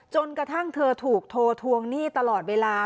จนกระทั่งเธอถูกโทรทวงหนี้ตลอดเวลา